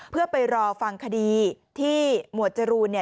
เพื่อไปรอฟังคดีที่หมวดจรูน